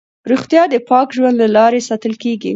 روغتیا د پاک ژوند له لارې ساتل کېږي.